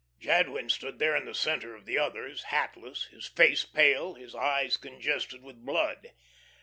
Jadwin stood there in the centre of the others, hatless, his face pale, his eyes congested with blood.